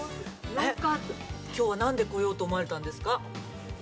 ◆きょうはなんで来ようと思われたんですか。